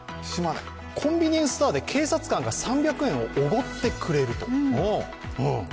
コンビニエンスストアで警察官が３００円をおごってくれると。